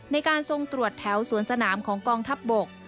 ในการทรงตรวจแถวสวนสนามของกองทัพบก